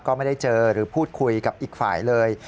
ก็ไม่ได้เจอหรือพูดคุยกับอีกฝ่ายเลย